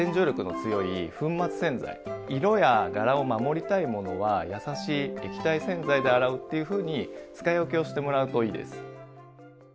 色や柄を守りたいものはやさしい液体洗剤で洗うっていうふうに使い分けをしてもらうといいです。